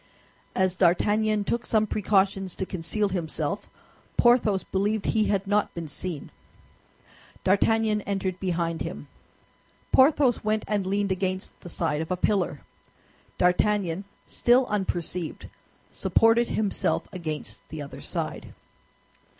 As D'Artagnan took some precautions to conceal himself, Porthos believed he had not been seen. D'Artagnan entered behind him. Porthos went and leaned against the side of a pillar. D'Artagnan, still unperceived, supported himself against the other side.